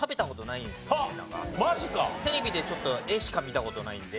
テレビでちょっと画しか見た事ないんで。